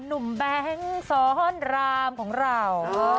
หนุ่มแบงค์สวรรค์รามของเรา